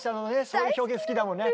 そういう表現好きだもんね。